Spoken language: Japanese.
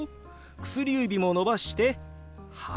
薬指も伸ばして「８」。